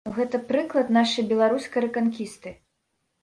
Гэта прыклад нашай беларускай рэканкісты.